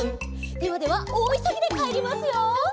「ではではおおいそぎでかえりますよ」